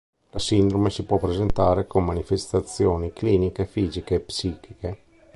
La sindrome si può presentare con manifestazioni cliniche fisiche e psichiche.